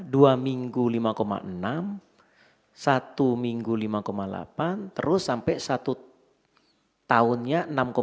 dua minggu lima enam satu minggu lima delapan terus sampai satu tahunnya enam tujuh